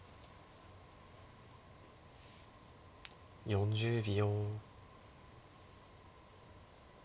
４０秒。